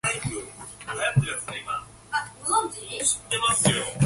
The town made national news during World War One.